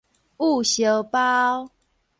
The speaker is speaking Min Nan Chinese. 焐燒包